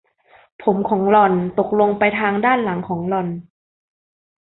ผมของหล่อนตกลงไปทางด้านหลังของหล่อน